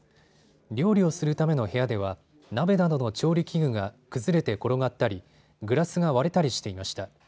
料理をするための部屋では鍋などの調理器具が崩れて転がったりグラスが割れたりしていました。